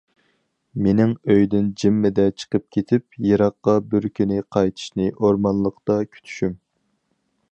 مېنىڭ ئۆيدىن جىممىدە چىقىپ كېتىپ، يىراققا بىر كۈنى قايتىشنى ئورمانلىقتا كۈتۈشۈم.